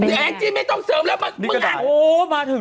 แน่จริงไม่ต้องเสริมแล้วมึงอ่ะ